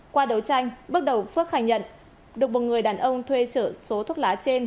qua đấu tranh bước đầu phước khai nhận được một người đàn ông thuê chở số thuốc lá trên